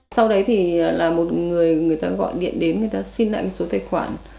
sau đấy thì là một người người ta gọi điện đến người ta xin lại số tài khoản